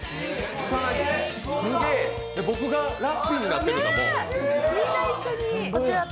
僕がラッピーになってるんや。